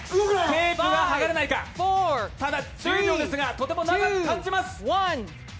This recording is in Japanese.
テープが剥がれないか１０秒ですがとても長く感じます。